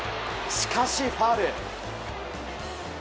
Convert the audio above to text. しかしファウル。